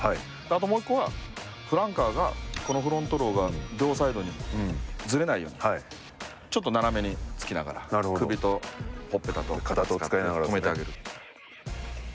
もう１個は、フランカーとこのフロントローが両サイドにずれないようにちょっと斜めにつきながら首と、ほっぺたと肩を使って止めてあげる。